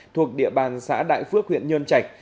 thuộc địa bàn xã đại phước huyện nhơn trạch